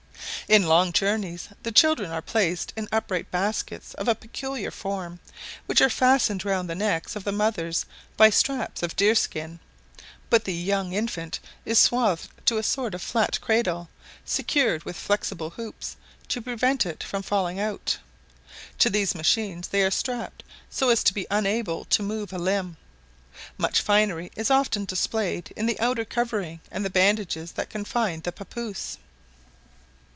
In long journeys the children are placed in upright baskets of a peculiar form, which are fastened round the necks of the mothers by straps of deer skin; but the young infant is swathed to a sort of flat cradle, secured with flexible hoops, to prevent it from falling out. To these machines they are strapped, so as to be unable to move a limb. Much finery is often displayed in the outer covering and the bandages that confine the papouse.